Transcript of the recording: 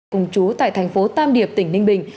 cùng chú tại thành phố tam điệp tỉnh ninh bình